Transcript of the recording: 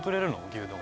牛丼。